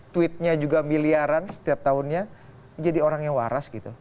tweetnya juga miliaran setiap tahunnya jadi orang yang waras gitu